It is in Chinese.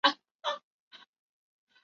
莱洛日。